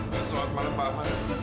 mas wadwan paman